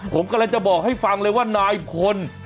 ผมกำลังจะบอกให้ฟังเลยว่านายพล